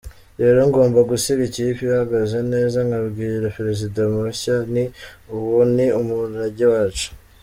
Rero ngomba gusiga ikipe ihagaze neza nkabwira perezida mushya nti, 'uwo ni umurage wacu'".